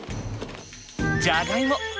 じゃがいも。